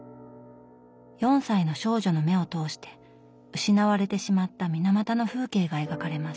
４歳の少女の目を通して失われてしまった水俣の風景が描かれます。